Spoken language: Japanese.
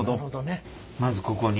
まずここに？